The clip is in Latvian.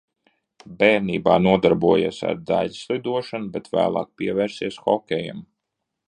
Bērnībā nodarbojies ar daiļslidošanu, bet vēlāk pievērsies hokejam.